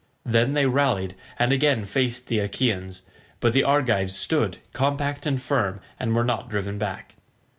Then they rallied and again faced the Achaeans, but the Argives stood compact and firm, and were not driven back.